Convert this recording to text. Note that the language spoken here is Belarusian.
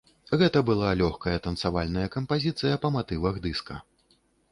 Гэта была лёгкая танцавальная кампазіцыя па матывах дыска.